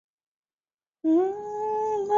这本书的英文原名也没那么耸动